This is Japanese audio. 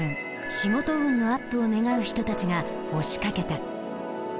仕事運のアップを願う人たちが押しかけた。